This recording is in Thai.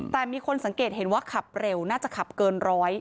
แต่มีคนสังเกตเห็นว่าขับเร็วน่าจะขับเกินร้อย